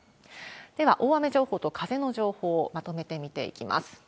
では、大雨情報と風の情報をまとめて見ていきます。